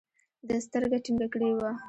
ده سترګه ټينګه کړې وه.